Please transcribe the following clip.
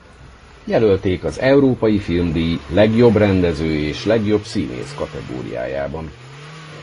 Jelölték az Európai Filmdíj legjobb rendező és legjobb színész kategóriájában.